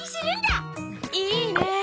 いいねえ！